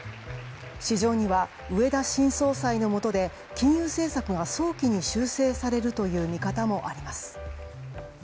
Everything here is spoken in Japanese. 市場には植田新総裁のもとで金融政策が早期に修正されるという見方もあります。